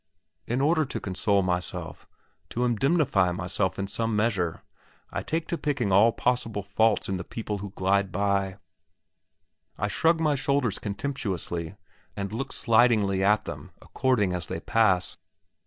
In order to console myself to indemnify myself in some measure I take to picking all possible faults in the people who glide by. I shrug my shoulders contemptuously, and look slightingly at them according as they pass.